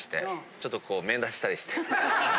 ちょっとこう面出したりして。